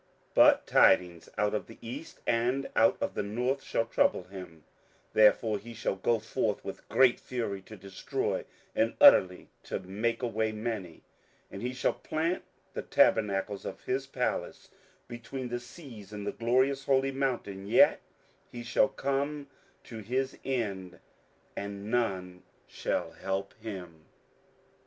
27:011:044 But tidings out of the east and out of the north shall trouble him: therefore he shall go forth with great fury to destroy, and utterly to make away many. 27:011:045 And he shall plant the tabernacles of his palace between the seas in the glorious holy mountain; yet he shall come to his end, and none shall help him.